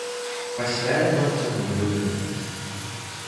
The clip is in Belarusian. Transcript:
Пасля яго адцягнулі ўглыб.